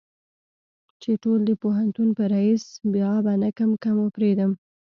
چې ټول د پوهنتون په ريس بې آبه نه کم که مو پرېدم.